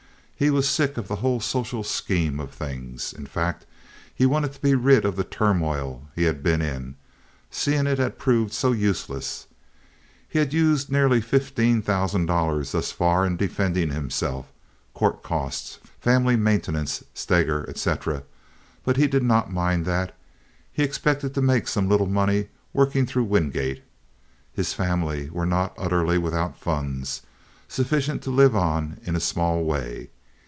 He was sick of the whole social scheme of things. In fact he wanted to be rid of the turmoil he had been in, seeing it had proved so useless. He had used nearly fifteen thousand dollars thus far in defending himself—court costs, family maintenance, Steger, etc.; but he did not mind that. He expected to make some little money working through Wingate. His family were not utterly without funds, sufficient to live on in a small way.